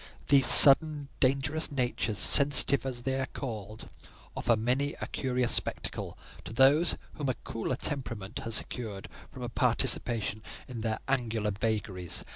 These sudden, dangerous natures—sensitive as they are called—offer many a curious spectacle to those whom a cooler temperament has secured from participation in their angular vagaries.